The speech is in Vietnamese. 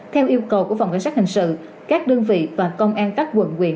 theo yêu cầu của phòng cảnh sát hình sự các đơn vị và công an các quận quyện